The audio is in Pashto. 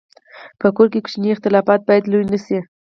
په کور کې کوچني اختلافات باید لوی نه شي.